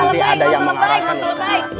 nanti ada yang mengarahkan ustadz